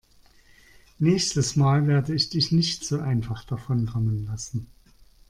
Nächstes Mal werde ich dich nicht so einfach davonkommen lassen.